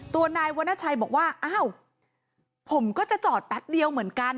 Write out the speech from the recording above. ตัวนายวรรณชัยบอกว่าอ้าวผมก็จะจอดแป๊บเดียวเหมือนกัน